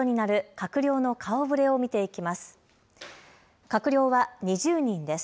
閣僚は２０人です。